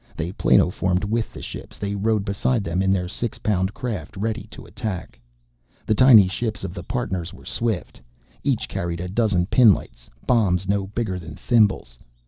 They planoformed with the ships. They rode beside them in their six pound craft ready to attack. The tiny ships of the Partners were swift. Each carried a dozen pinlights, bombs no bigger than thimbles.